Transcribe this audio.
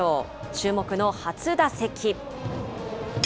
注目の初打席。